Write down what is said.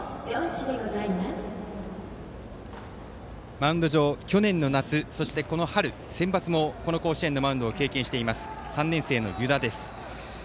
マウンド上、去年の夏そして、この春のセンバツもこの甲子園のマウンドを経験している３年生、湯田です。